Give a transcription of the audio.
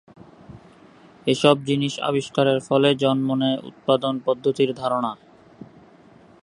এসব জিনিস আবিষ্কারের ফলে জন্ম নেয় উৎপাদন পদ্ধতির ধারণা।